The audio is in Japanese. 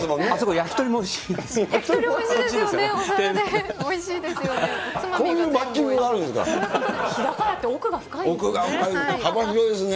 焼き鳥おいしいですよね。